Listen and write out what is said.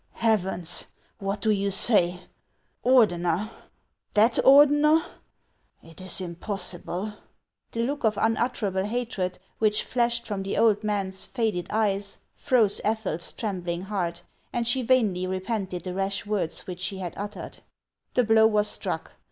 " Heavens ! what do you say ? Ordener ! that Ordener ! It is impossible !" The look of unutterable hatred which flashed from the old man's faded eyes froze Ethel's trembling heart, and she vainly repented the rash words which she had uttered. The blow was struck.